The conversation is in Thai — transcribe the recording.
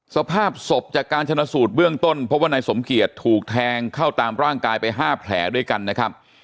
สภาพศพจากการชนะสูตรเบื้องต้นพบว่านายสมเกียจถูกแทงเข้าตามร่างกายไป๕แผลด้วยกันนะครับ